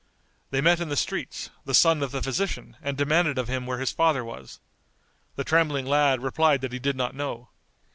They met in the streets, the son of the physician, and demanded of him where his father was. The trembling lad replied that he did not know.